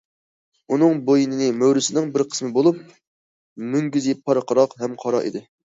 ئۇنىڭ بوينى مۈرىسىنىڭ بىر قىسمى بولۇپ، مۈڭگۈزى پارقىراق ھەم قارا ئىدى.